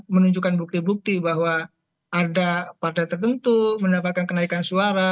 menunjukkan bukti bukti bahwa ada partai tertentu mendapatkan kenaikan suara